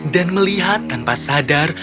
dan melihat tanpa sadar